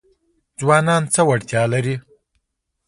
ځوانان څه وړتیا لري؟